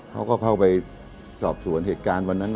เขาก็เข้าไปสอบสวนเหตุการณ์วันนั้น